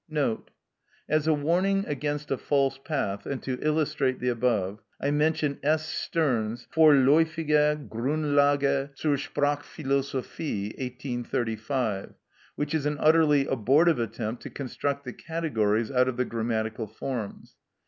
Note.—As a warning against a false path and to illustrate the above, I mention S. Stern's "Vorläufige Grundlage zur Sprachphilosophie," 1835, which is an utterly abortive attempt to construct the categories out of the grammatical forms.